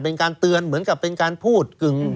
เป็นการเตือนเหมือนกับเป็นการพูดกึ่ง